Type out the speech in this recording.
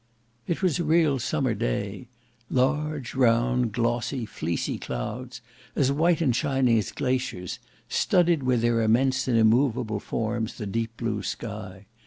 It was a real summer day; large, round, glossy, fleecy clouds, as white and shining as glaciers, studded with their immense and immoveable forms the deep blue sky.